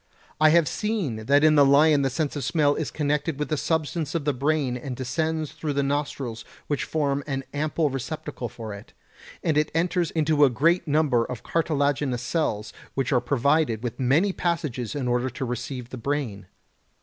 I have seen that in the lion the sense of smell is connected with the substance of the brain and descends through the nostrils which form an ample receptacle for it; and it enters into a great number of cartilaginous cells which are provided with many passages in order to receive the brain.